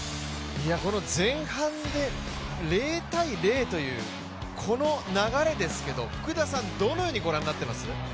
前半で０−０という、この流れですけど、福田さん、どのようにご覧になっています？